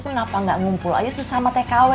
kenapa gak ngumpul aja sesama tkw